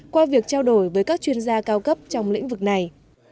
qua việc trao đổi với các chuyên gia cao cấp trong lĩnh vực này